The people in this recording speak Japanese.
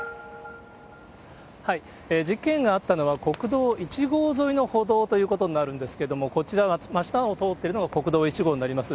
事件があったのは、国道１号沿いの歩道ということになるんですけれども、こちら、真下を通っているのが国道１号になります。